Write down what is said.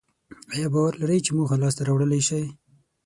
ایا باور لرئ چې موخه لاسته راوړلای شئ؟